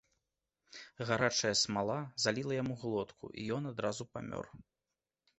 Гарачая смала заліла яму глотку, і ён адразу памёр.